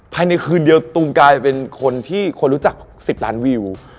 ภายในคืนเดียวตูมกลายเป็นคนที่คนรู้จัก๑๐ล้านวิว